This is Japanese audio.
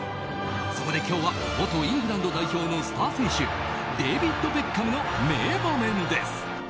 そこで今日は元イングランド代表のスター選手デービッド・ベッカム選手の名場面です。